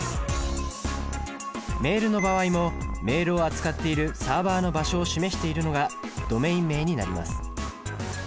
メールの場合もメールを扱っているサーバの場所を示しているのがドメイン名になります。